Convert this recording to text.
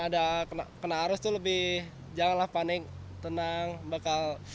ada kena arus itu lebih janganlah panik tenang bakal